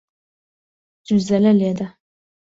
جوزەلە لێدە.